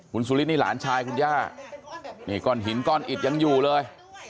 คุณสุรินนี่หลานชายคุณย่านี่ก้อนหินก้อนอิดยังอยู่เลย